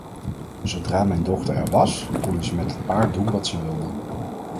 Zodra mijn dochter er was, konden ze met het paard doen wat ze wilden.